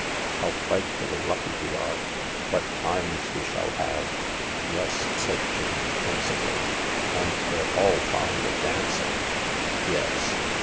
How frightfully lucky we are ! What times we shall have I "" Yes," said Jane pensively. " And they're all fond of dancing." "Yes."